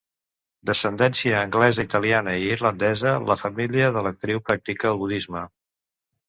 D'ascendència anglesa, italiana i irlandesa, la família de l'actriu practica el budisme.